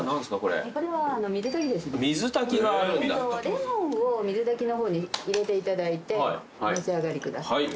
レモンを水炊きの方に入れていただいてお召し上がりください。